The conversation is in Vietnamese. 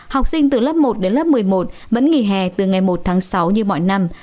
học sinh từ lớp một đến lớp một mươi một vẫn nghỉ hè từ ngày một tháng sáu như mọi năm